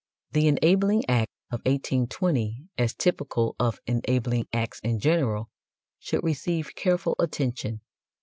The Enabling Act of 1820, as typical of enabling acts in general, should receive careful attention.